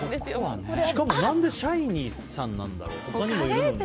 しかも何でシャイニーさんなんだろう。